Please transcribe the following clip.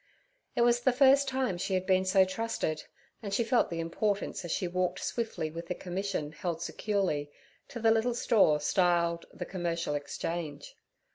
It was the first time she had been so trusted, and she felt the importance as she walked swiftly with the commission held securely, to the little store styled the 'Commercial Exchange.'